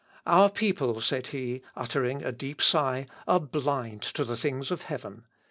"Our people," said he, uttering a deep sigh, "are blind to the things of heaven.